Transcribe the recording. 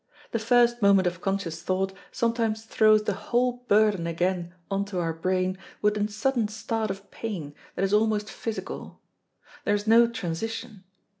The first moment of conscious thought sometimes throws the whole burden again on to our brain with a sudden start of pain that is almost physical. There is no transition.